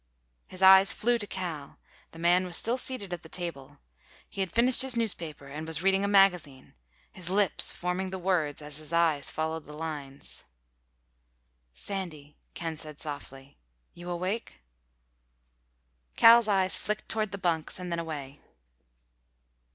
His eyes flew to Cal. The man was still seated at the table. He had finished his newspaper and was reading a magazine, his lips forming the words as his eyes followed the lines. "Sandy," Ken said softly. "You awake?" Cal's eyes flicked toward the bunks and then away.